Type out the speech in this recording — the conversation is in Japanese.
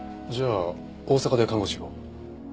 じゃあ大阪で看護師を？